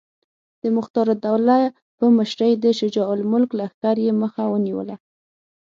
د مختارالدوله په مشرۍ د شجاع الملک لښکر یې مخه ونیوله.